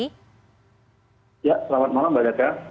ya selamat malam mbak daca